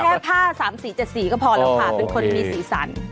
แค่ผ้า๓๔๗๔ก็พอแล้วค่ะเป็นคนมีสีสัน